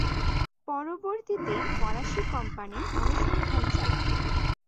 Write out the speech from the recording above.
পরবর্তীতে ফরাসি কোম্পানি অনুসন্ধান চালায়।